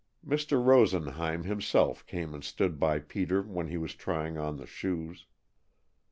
Mr. Rosenheim himself came and stood by Peter when he was trying on the shoes.